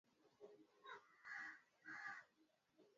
Wanyama kuwa katika maeneo yenye unyevunyevu